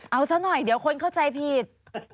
เอาซะหน่อยเดี๋ยวคนเข้าใจผิด